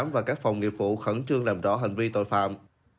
và các phòng nghiệp vụ khẩn trương làm rõ hành vi tội phạm